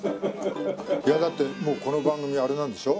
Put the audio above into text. いやだってもうこの番組あれなんでしょ？